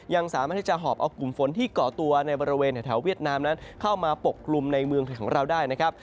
ยังสามารถที่จะหอบเอากลุ่มฝนที่เกาะตัวในบริเวณแถวเวียดนามนั้นเข้ามาปกกลุ่มในเมืองไทยของเราได้นะครับ